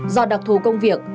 do đặc thù công việc